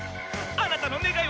あなたの願いは何？